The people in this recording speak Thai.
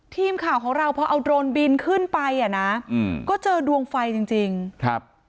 ทีมข่าวของเราพอเอาโดรนบินขึ้นไปอ่ะนะอืมก็เจอดวงไฟจริงจริงครับ